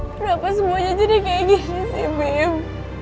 kenapa semuanya jadi kaya gini sih bim